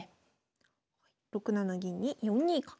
６七銀に４二角。